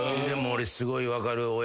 でも俺すごい分かる。